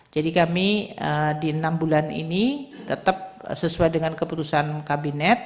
jadi kami di enam bulan ini tetap sesuai dengan keputusan kabinet